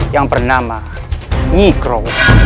yang bernama njikro